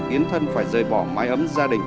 yến thân phải rời bỏ mái ấm gia đình